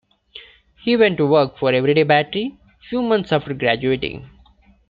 He went to work for Eveready Battery a few months after graduating.